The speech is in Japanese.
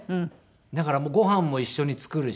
だからご飯も一緒に作るし。